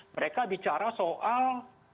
mereka bicara soal